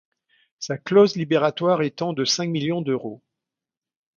Sa close libératoire étant de cinq millions d'euros.